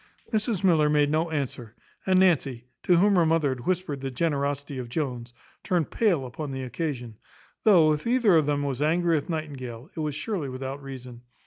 Mrs Miller made no answer; and Nancy, to whom her mother had whispered the generosity of Jones, turned pale upon the occasion; though, if either of them was angry with Nightingale, it was surely without reason.